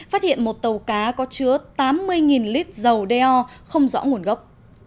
phát hiện một tàu cá có chứa tám mươi lít dầu đeo không rõ nguồn gốc